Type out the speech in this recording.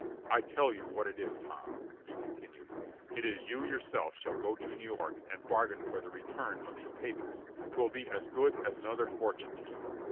I tell you what it is, Tom," he continued, "it is you yourself shall go to New York and bargain for the return of these papers. 'Twill be as good as another fortune to you."